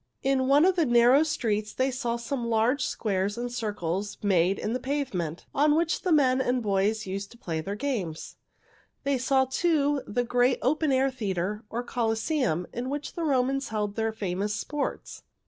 In one of the narrow streets they saw some large squares and circles made in the pavement, on which the men and boys used to play their games. They saw, too, the great open air theater, or Colosseum, in which the old Romans held their famous sports.